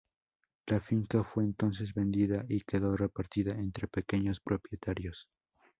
La finca fue entonces vendida y quedó repartida entre pequeños propietarios.